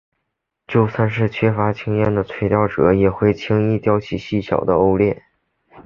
就算是缺乏经验的垂钓者也可以轻易钓起细小的欧鲢。